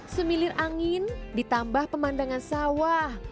semilir angin ditambah pemandangan sawah